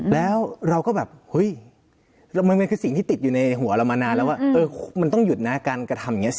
แล้วเราก็แบบเฮ้ยมันคือสิ่งที่ติดอยู่ในหัวเรามานานแล้วว่ามันต้องหยุดนะการกระทำอย่างนี้สิ